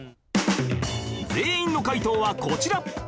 全員の解答はこちら